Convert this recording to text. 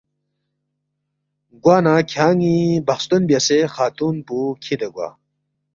گوانہ کھیان٘ی بخستون بیاسے خاتون پو کِھدے گوا